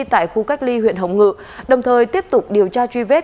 tại khu cách ly huyện hồng ngự đồng thời tiếp tục điều tra truy vết